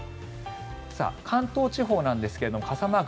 関東地方なんですが傘マーク